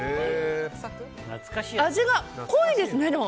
味が濃いですね、でも。